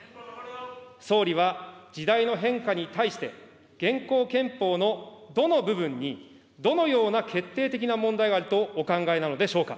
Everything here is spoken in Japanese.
総理は時代の変化に対して、現行憲法のどの部分に、どのような決定的な問題があるとお考えなのでしょうか。